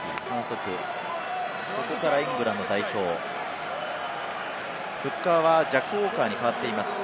そこからイングランド代表、フッカーはジャック・ウォーカーに代わっています。